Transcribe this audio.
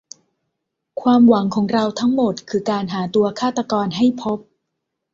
ความหวังของเราทั้งหมดคือการหาตัวฆาตรกรให้พบ